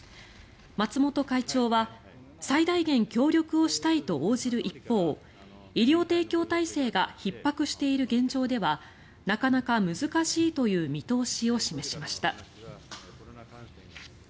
松本会長は最大限協力をしたいと応じる一方医療提供体制がひっ迫している現状ではなかなか難しいという見通しを示しました。